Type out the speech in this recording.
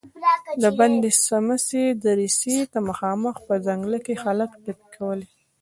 د بندې سمڅې دريڅې ته مخامخ په ځنګله کې هلک ټپې کولې.